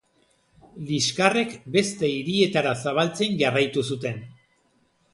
Liskarrek beste hirietara zabaltzen jarraitu zuten.